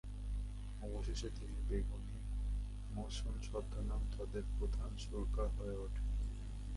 অবশেষে তিনি বেগুনি মোশন ছদ্মনামে তাদের প্রধান সুরকার হয়ে ওঠেন।